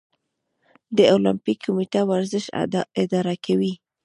د المپیک کمیټه ورزش اداره کوي